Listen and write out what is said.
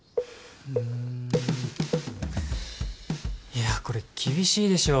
いやこれ厳しいでしょ。